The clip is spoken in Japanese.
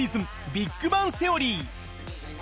『ビッグバン★セオリー』